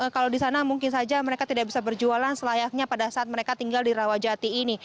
kalau di sana mungkin saja mereka tidak bisa berjualan selayaknya pada saat mereka tinggal di rawajati ini